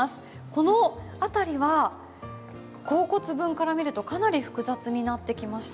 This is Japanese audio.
この辺りは甲骨文から見るとかなり複雑になってきました。